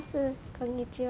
こんにちは。